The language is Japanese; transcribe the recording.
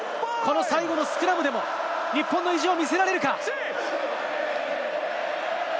最後のスクラムでも日本の意地を見せられるか？